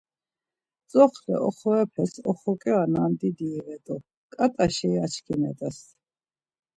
Tzoxle oxorepes oxoqyura nandidi ivet̆u, ǩat̆a şei açkinet̆es.